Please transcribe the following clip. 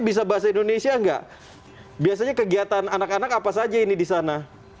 bisa bahasa indonesia enggak biasanya kegiatan anak anak apa saja ini disana